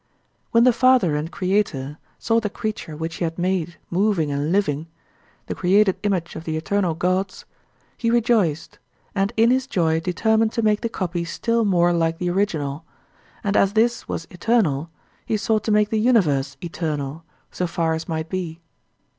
When the father and creator saw the creature which he had made moving and living, the created image of the eternal gods, he rejoiced, and in his joy determined to make the copy still more like the original; and as this was eternal, he sought to make the universe eternal, so far as might be.